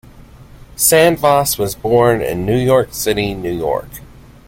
Sandvoss was born in New York City, New York.